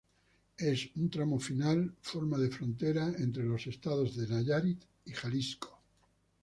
En su tramo final forma la frontera entre los estados de Nayarit y Jalisco.